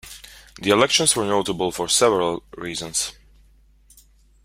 The elections were notable for several reasons.